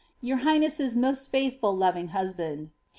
^ Your highness's mo»t faithful loving husband.